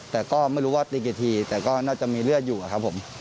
แต่ก็ไม่รู้ว่าตีกี่ทีแต่ก็น่าจะมีเลือดอยู่ครับผม